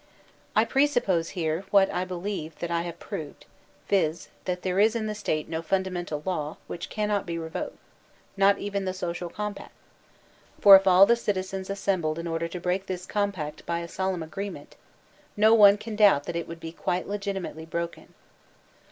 * I presuppose here what I believe that I have proved, viz, that there is in the State no fundamental law which cannot be revoked, not even the social compact; for if all the citizens assembled in order to break this compact by a solemn agreement, no one can doubt that it would be PREVENTION OP USURPATIONS 91 quite legitimately broken.